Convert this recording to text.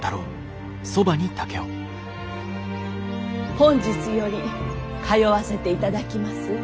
本日より通わせていただきます